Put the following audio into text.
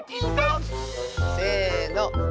せの。